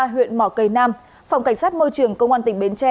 huyện mò cây nam phòng cảnh sát môi trường công an tỉnh bến tre